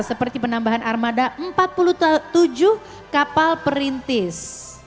seperti penambahan armada empat puluh tujuh kapal perintis